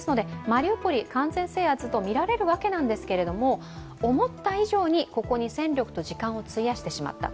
マリウポリ、完全制圧とみられるわけなんですけど思った以上にここに戦力と時間を費やしてしまった。